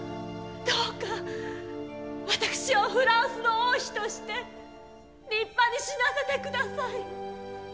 どうか私をフランスの王妃として立派に死なせてください。